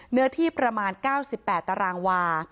เนื้อที่ประมาณ๙๘ตารางวา